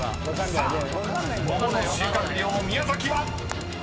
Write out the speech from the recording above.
［さあ桃の収穫量宮崎は⁉］